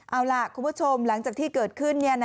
เอาล่ะคุณผู้ชมหลังจากที่เกิดขึ้น